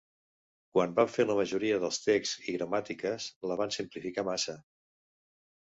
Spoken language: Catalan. Quan van fer la majoria dels texts i gramàtiques, la van simplificar massa.